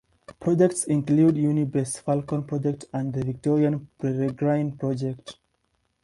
Projects include Unibase Falcon Project and the Victorian Peregrine Project.